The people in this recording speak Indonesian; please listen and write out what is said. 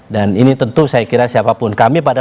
dan ini tentu saya kira siapapun kami pada